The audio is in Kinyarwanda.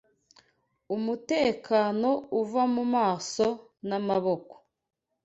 Umutekano uva mumaso n'amaboko